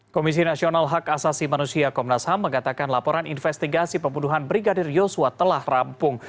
komisi nasional hak asasi manusia komnas ham mengatakan laporan investigasi pembunuhan brigadir yosua telah rampung